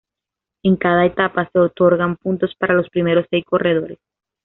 En cada etapa se otorgan puntos para los primeros seis corredores.